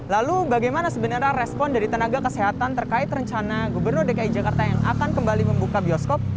lalu bagaimana sebenarnya respon dari tenaga kesehatan terkait rencana gubernur dki jakarta yang akan kembali membuka bioskop